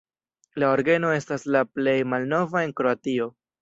La orgeno estas la plej malnova en Kroatio.